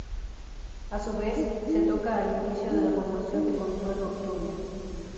A su vez se toca al inicio de la formación de control nocturno.